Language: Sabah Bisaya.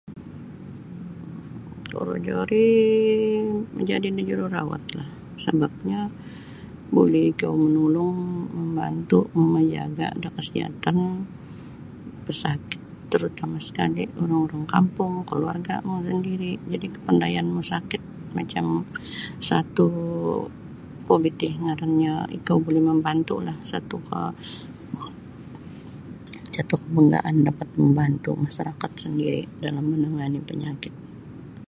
Korojo rii majadi da jururawatlah sabapnyo buli ikou manulung mambantu' mamajaga' da kasihatan pesakit terutama' sekali' urang-urang kampung kaluarga' mu sandiri' jadi' kapandayanmu sakit macam satu kuo biti ngarannyo ikou buli mambantu'lah satu ka satu' kabanggaan dapat mambantu' masarakat sandiri' dalam manangani' panyakit.